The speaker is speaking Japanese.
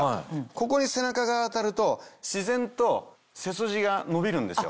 ここに背中が当たると自然と背筋が伸びるんですよ。